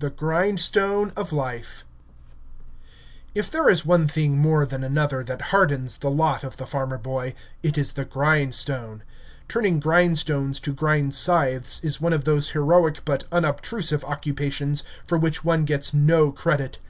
THE GRINDSTONE OF LIFE If there is one thing more than another that hardens the lot of the farmer boy, it is the grindstone. Turning grindstones to grind scythes is one of those heroic but unobtrusive occupations for which one gets no credit.